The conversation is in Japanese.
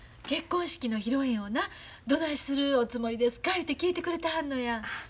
結婚式の披露宴をなどないするおつもりですかいうて聞いてくれてはんのや。